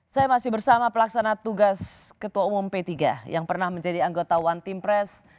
saya masih bersama pelaksana tugas ketua umum p tiga yang pernah menjadi anggota one team press